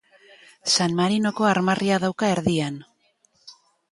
San Marinoko armarria dauka erdian.